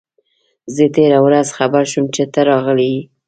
زه تېره ورځ خبر شوم چي ته راغلی یې.